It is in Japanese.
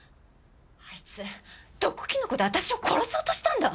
あいつ毒キノコで私を殺そうとしたんだ。